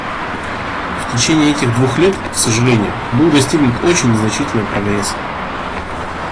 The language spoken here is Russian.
В течение этих двух лет, к сожалению, был достигнут очень незначительный прогресс.